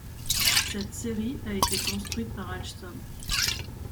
Cette série a été construite par Alstom.